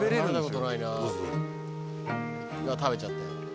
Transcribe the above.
うわ食べちゃったよ。